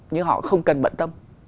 nhưng họ không cần bận tâm